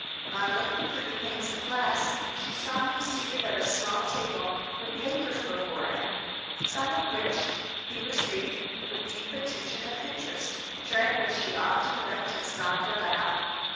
On looking through the panes of glass, she saw him seated at a small table, with papers before him, some of which he was reading with deep attention and interest, during which he often wept and sobbed aloud.